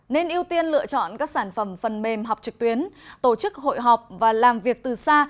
nên ưu tiên lựa chọn các sản phẩm phần mềm học trực tuyến tổ chức hội họp và làm việc từ xa